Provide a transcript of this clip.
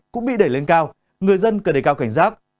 cũng bị đẩy lên cao người dân cần đề cao cảnh giác